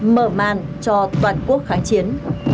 mở màn cho toàn quốc kháng chiến